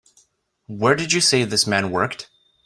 Where did you say this man worked?